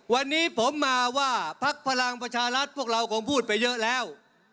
วันนี้ผมมาว่าพักพลังประชารัฐพวกเราคงพูดไปเยอะแล้ว